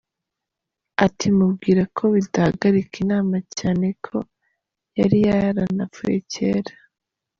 Ati mubwira ko bitahagarika inama cyane ko yari yaranapfuye kera.